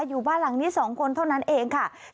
อยู่บ้านหลังนี้๒คนเท่านั้นเองค่ะ